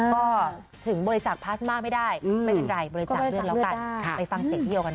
ก็ถึงบริจาคพลาสมาไม่ได้ไม่เป็นไรบริจาคเลือดเรากัน